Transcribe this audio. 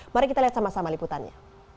mari kita lihat sama sama liputannya